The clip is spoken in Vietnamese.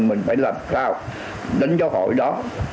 mình phải làm sao đánh giá hội đó